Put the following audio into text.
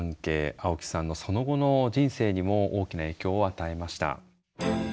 青木さんのその後の人生にも大きな影響を与えました。